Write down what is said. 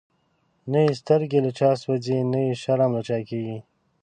نه یی سترګی له چا سوځی، نه یی شرم له چا کیږی